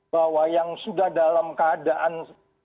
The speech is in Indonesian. bahwa yang sudah dalam keadaan